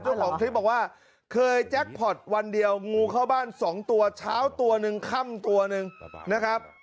เจ้าของคลิปบอกว่าเคยแจ็คพอร์ตวันเดียวงูเข้าบ้าน๒ตัวเช้าตัวหนึ่งค่ำตัวหนึ่งนะครับ